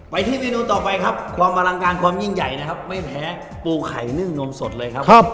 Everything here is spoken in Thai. ที่เมนูต่อไปครับความอลังการความยิ่งใหญ่นะครับไม่แพ้ปูไข่นึ่งนมสดเลยครับ